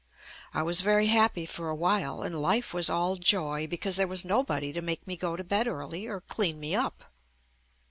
I was very happy for a while, and life was all joy because there was nobody to make me go to bed early or clean me up.